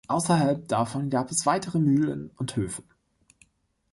Außerhalb davon gab es weitere Mühlen und Höfe.